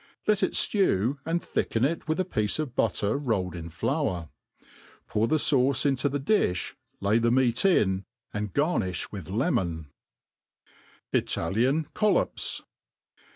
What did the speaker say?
Let ic ftew, and thicken it with a piece of butter rolled in flour ; pour the fauce into the difli, lay the meat in, and gaxniih with lemon, Italian Collops.